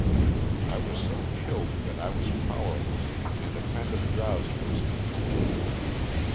I was so chilled that I was powerless, and a kind of drowsiness came over me.